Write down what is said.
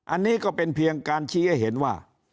อันนี้ก็เป็นเพียงการชี้ให้เห็นว่า